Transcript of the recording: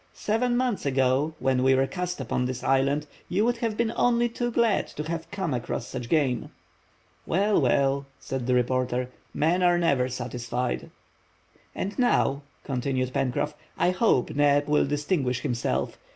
Seven months ago, when we were cast upon this island, you would have been only too glad to have come across such game." "Well, well," said the reporter, "men are never satisfied." "And now," continued Pencroff, "I hope Neb will distinguish himself.